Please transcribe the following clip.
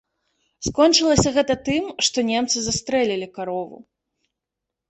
Скончылася гэта тым, што немцы застрэлілі карову.